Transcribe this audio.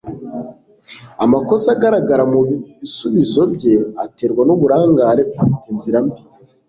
Amakosa agaragara mubisubizo bye aterwa nuburangare kuruta inzira mbi